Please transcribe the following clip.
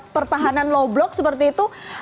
pertahanan low blok seperti itu